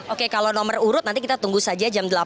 oke kalau nomor urut nanti kita tunggu saja jam delapan